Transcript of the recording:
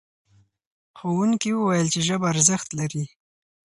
ښوونکي وویل چې ژبه ارزښت لري.